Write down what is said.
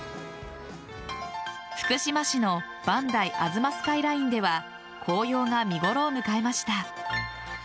福島市の磐梯吾妻スカイラインでは紅葉が見頃を迎えました。